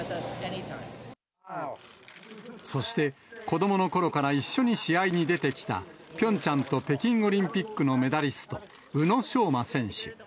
そして、子どものころから一緒に試合に出てきた、ピョンチャンと北京オリンピックのメダリスト、宇野昌磨選手。